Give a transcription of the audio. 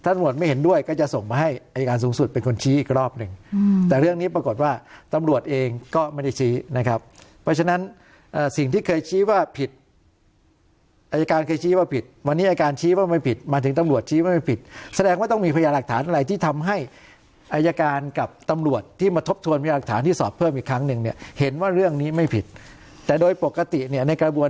อัยการสูงสุดเป็นคนชี้อีกรอบหนึ่งอืมแต่เรื่องนี้ปรากฏว่าตำรวจเองก็ไม่ได้ชี้นะครับเพราะฉะนั้นอ่าสิ่งที่เคยชี้ว่าผิดอัยการเคยชี้ว่าผิดวันนี้อัยการชี้ว่าไม่ผิดมาถึงตำรวจชี้ว่าไม่ผิดแสดงว่าต้องมีพยาดักฐานอะไรที่ทำให้อัยการกับตำรวจที่มาทบทวนพยาดักฐานที่สอบเพิ่มอีก